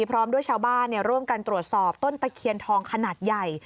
พร้อมด้วยชาวบ้านร่วมกันตรวจสอบต้นตะเคียนทองขนาดใหญ่